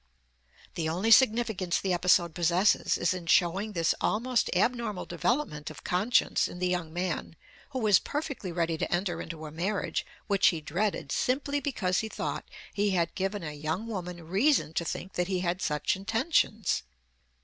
The only significance the episode possesses is in showing this almost abnormal development of conscience in the young man who was perfectly ready to enter into a marriage which he dreaded simply because he thought he had given a young woman reason to think that he had such intentions.